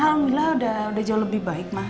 alhamdulillah udah jauh lebih baik mah